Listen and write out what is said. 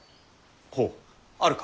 ほうあるか。